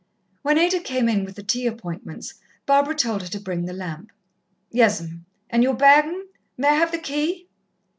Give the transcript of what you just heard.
When Ada came in with the tea appointments, Barbara told her to bring the lamp. "Yes'm. And your bag, 'm may I have the key?"